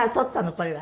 これは。